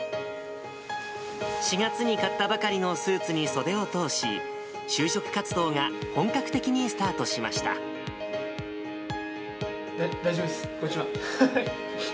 ４月に買ったばかりのスーツに袖を通し、就職活動が本格的にスタだ、大丈夫です、こっちは。